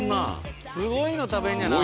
すごいの食べんねやな。